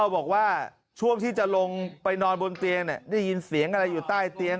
บอกว่าช่วงที่จะลงไปนอนบนเตียงได้ยินเสียงอะไรอยู่ใต้เตียง